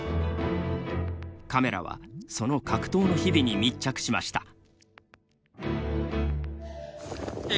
カメラは、その格闘の日々に密着しました。